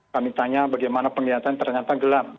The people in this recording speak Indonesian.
kami tanya bagaimana penglihatan ternyata gelap